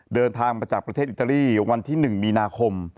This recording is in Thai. เดินทางมาจากประเทศอิตาลีวันที่๑มีนาคม